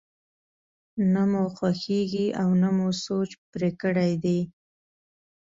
نه مو خوښېږي او نه مو سوچ پرې کړی دی.